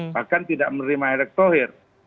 bahkan tidak menerima erek tohir